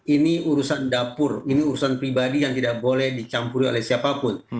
ini urusan dapur ini urusan pribadi yang tidak boleh dicampuri oleh siapapun